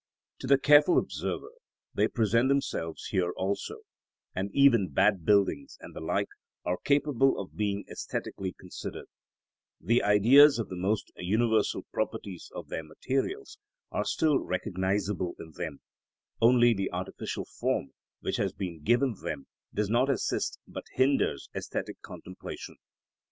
To the careful observer they present themselves here also, and even bad buildings and the like are capable of being æsthetically considered; the Ideas of the most universal properties of their materials are still recognisable in them, only the artificial form which has been given them does not assist but hinders æsthetic contemplation.